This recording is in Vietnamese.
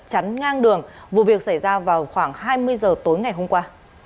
chắn ngang đường vụ việc xảy ra vào khoảng hai mươi giờ tối ngày hôm qua